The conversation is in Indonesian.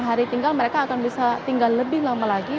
hari tinggal mereka akan bisa tinggal lebih lama lagi